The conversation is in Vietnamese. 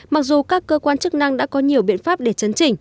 mặc dù các cơ quan chức năng đã có nhiều biện pháp để chấn chỉnh